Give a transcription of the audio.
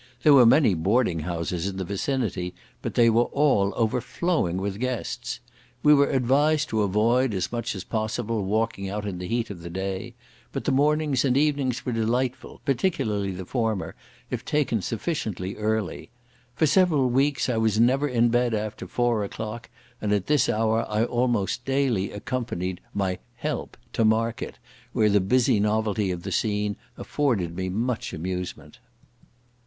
There were many boarding houses in the vicinity, but they were all overflowing with guests. We were advised to avoid, as much as possible, walking out in the heat of the day; but the mornings and evenings were delightful, particularly the former, if taken sufficiently early. For several weeks I was never in bed after four o'clock, and at this hour I almost daily accompanied my "help" to market, where the busy novelty of the scene afforded me much amusement.